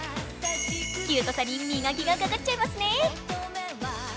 キュートさに磨きがかかっちゃいますね。